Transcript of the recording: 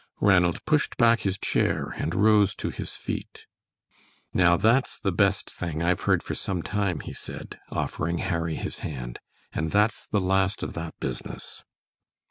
Ranald pushed back his chair and rose to his feet. "Now that's the best thing I've heard for some time," he said, offering Harry his hand; "and that's the last of that business."